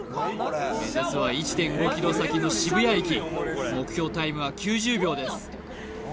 目指すは１．５ｋｍ先の渋谷駅目標タイムは９０秒です